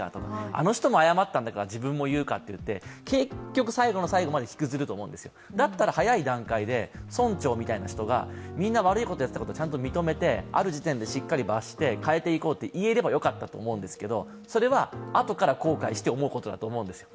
あの人も謝ったんだから自分も言うかと最後まで引きずると思うんですよるだったら早い段階で村長みたいな人がみんな悪いことをしていたことをちゃんと認めて、ある時点でしっかり罰して変えていこうと言えればよかったと思うんですけどそれはあとから後悔して思うことだと思うんですよ。